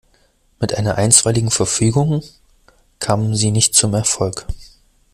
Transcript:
Mit einer Einstweiligen Verfügung kamen sie nicht zum Erfolg.